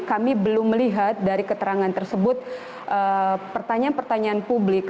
kami belum melihat dari keterangan tersebut pertanyaan pertanyaan publik